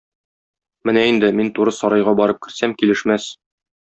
Менә инде мин туры сарайга барып керсәм, килешмәс.